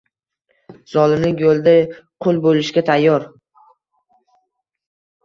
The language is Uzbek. Zolimlik yo’lida qul bo’lishga tayyor.